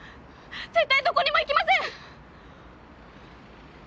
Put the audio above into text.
絶対どこにも行きません！